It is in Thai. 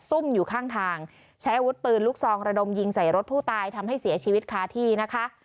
ซุ่มอยู่ข้างทางใช้อาวุธปืนลูกซองระดมยิงใส่รถผู้ตายทำให้เสียชีวิตคาที่นะคะ